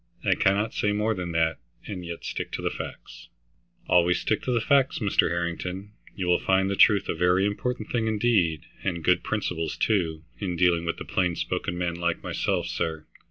I cannot say more than that and yet stick to facts." "Always stick to facts, Mr. Harrington. You will find the truth a very important thing indeed, and good principles too, in dealing with plain spoken men like myself, sir.